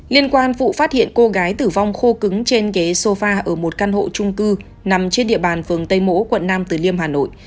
liên quan vụ phát hiện cô gái tử vong khô cứng trên ghế sofa ở một căn hộ trung cư nằm trên địa bàn phường tây mỗ quận nam tử liêm hà nội